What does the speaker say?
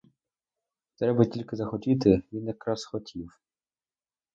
Треба тільки захотіти — він якраз хотів.